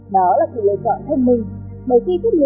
đó là sự lựa chọn thông minh